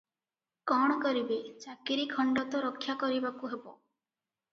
କଣ କରିବେ, ଚାକିରି ଖଣ୍ଡ ତ ରକ୍ଷା କରିବାକୁ ହେବ ।